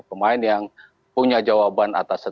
pemain yang punya jawaban atas